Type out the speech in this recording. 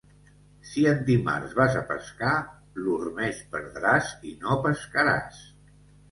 Si en dimarts vas a pescar, l'ormeig perdràs i no pescaràs.